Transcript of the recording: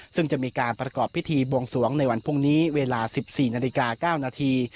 ซึ่งจะมีการประกอบพิธีบวงสวงในวันพรุ่งนี้เวลา๑๔นาฬิกา๙นาที